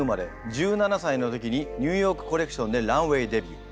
１７歳の時にニューヨークコレクションでランウェイデビュー。